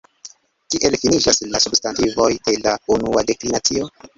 Kiel finiĝas la substantivoj de la unua deklinacio?